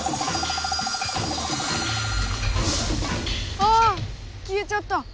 ああきえちゃった！